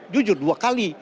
jujur dua kali